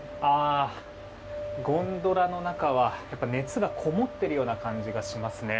ゴンドラの中はやっぱり熱がこもっているような感じがしますね。